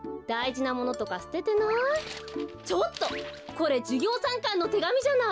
これじゅぎょうさんかんのてがみじゃない！